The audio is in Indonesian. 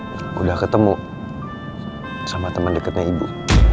gue udah ketemu sama temen deketnya ibu